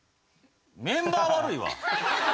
メンバー悪いわ。